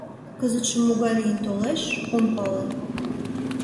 — Кызытше могай лийын толеш, ом пале.